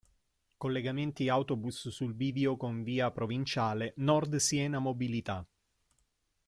Collegamenti autobus sul bivio con Via Provinciale Nord Siena Mobilità.